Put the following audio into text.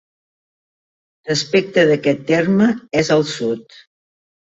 Respecte d'aquest terme és al sud.